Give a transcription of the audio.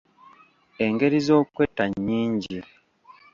Engeri z'okwetta nnyingi